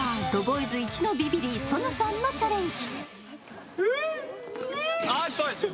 イチのビビリ、ソヌさんのチャレンジ。